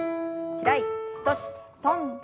開いて閉じて跳んで。